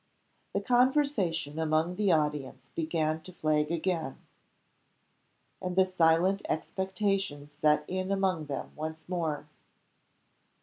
The conversation among the audience began to flag again; and the silent expectation set in among them once more.